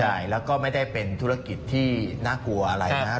ใช่แล้วก็ไม่ได้เป็นธุรกิจที่น่ากลัวอะไรนะครับ